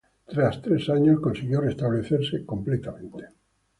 Tras tres años, consiguió restablecerse completamente.